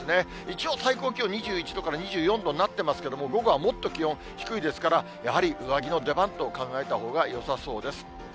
一応、最高気温２１度から２４度になってますけれども、午後はもっと気温低いですから、やはり上着の出番と考えたほうがよさそうです。